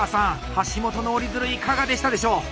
橋本の折り鶴いかがでしたでしょう？